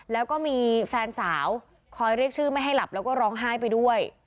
แล้วก็มีแฟนสาวคอยเรียกชื่อไม่ให้หลับแล้วก็ร้องไห้ไปด้วย